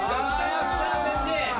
よっしゃうれしい。